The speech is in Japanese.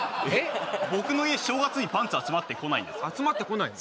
僕の家正月にパンツ集まってこないんで集まってこないの？